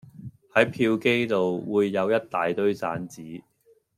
喺票機度會有一大堆散紙